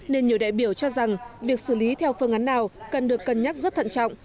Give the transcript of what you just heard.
nên nhiều đại biểu cho rằng việc xử lý theo phương án nào cần được cân nhắc rất thận trọng